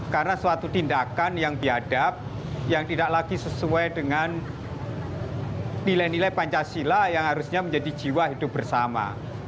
karena suatu tindakan yang biadab yang tidak lagi sesuai dengan nilai nilai pancasila yang harusnya menjadi jiwa hidup bersama